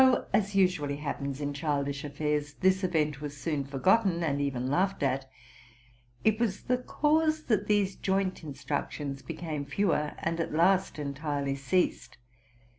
Though, as usually happens in childish affairs, this event was soon forgotten, and even laughed at, it was the cause that these joint instructions became fewer, and at last entirely ceased.